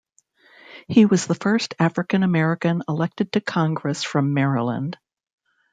He was the first African American elected to Congress from Maryland.